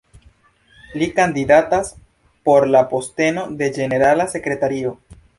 Li kandidatas por la posteno de ĝenerala sekretario.